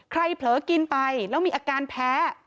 เผลอกินไปแล้วมีอาการแพ้